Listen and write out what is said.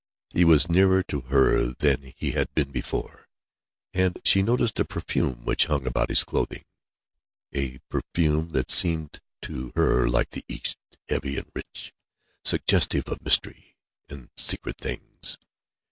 He was nearer to her than he had been before, and she noticed a perfume which hung about his clothing, a perfume that seemed to her like the East, heavy and rich, suggestive of mystery and secret things.